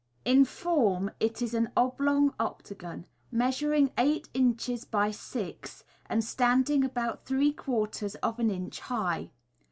In form it is an oblong octagon, measuring eight inches by six, and standing about three quarters of an inch high.